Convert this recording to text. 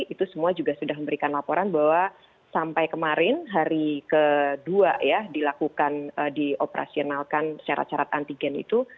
itu semua juga sudah memberikan laporan bahwa sampai kemarin hari ke dua ya dilakukan di operasionalkan secara cerat antigen itu